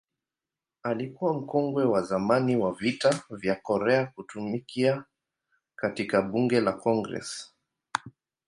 Alikuwa mkongwe wa zamani wa Vita vya Korea kutumikia katika Bunge la Congress.